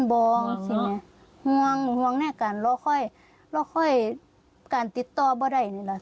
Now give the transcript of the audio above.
ถ้าเหลือเจอกันแล้วจะให้อีกประโยชน์ของเจ้าไปอีกล่ะ